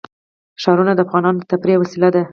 ښارونه د افغانانو د تفریح یوه وسیله ده.